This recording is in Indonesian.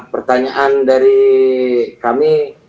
pertanyaan dari kami